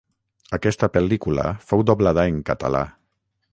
Aquesta pel·lícula fou doblada en català.